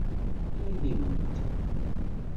Alim-d!